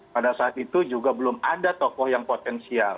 pada saat itu juga belum ada tokoh yang potensial